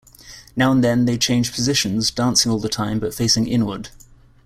Now and then they change positions dancing all the time but facing inward.